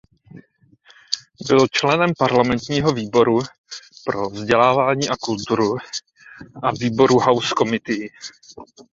Byl členem parlamentního výboru pro vzdělávání a kulturu a výboru House Committee.